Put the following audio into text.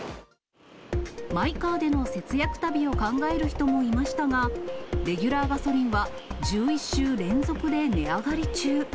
マイカーでの節約旅を考える人もいましたが、レギュラーガソリンは、１１週連続で値上がり中。